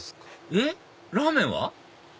えっラーメンは？